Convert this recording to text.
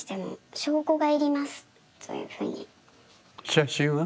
写真は？